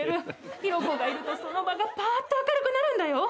ヒロコがいるとその場がパァッと明るくなるんだよ。